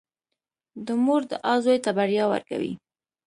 • د مور دعا زوی ته بریا ورکوي.